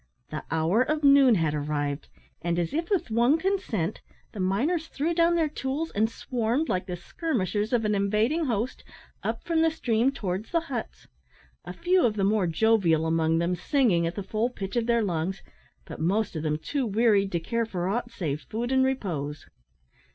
The hour of noon had arrived, and, as if with one consent, the miners threw down their tools, and swarmed, like the skirmishers of an invading host, up from the stream towards the huts a few of the more jovial among them singing at the full pitch of their lungs, but most of them too wearied to care for aught save food and repose.